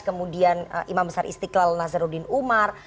kemudian imam besar istiqlal nazaruddin umar